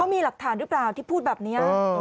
มีหลักฐานหรือเปล่าที่พูดแบบนี้